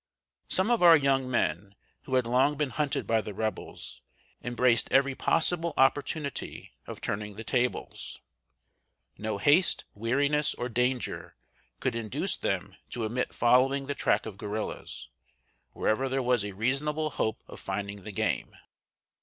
"] Some of our young men, who had long been hunted by the Rebels, embraced every possible opportunity of turning the tables. No haste, weariness, or danger could induce them to omit following the track of guerrillas, wherever there was reasonable hope of finding the game.